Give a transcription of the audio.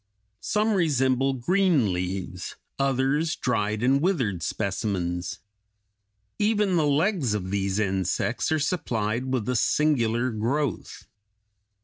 Some resemble green leaves; others dried and withered specimens. Even the legs of these insects are supplied with a singular growth.